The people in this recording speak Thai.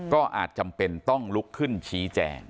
ก็อาจจำเป็นต้องลุกขึ้นชี้แจง